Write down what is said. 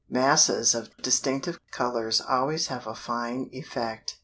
Masses of distinctive colors always have a fine effect.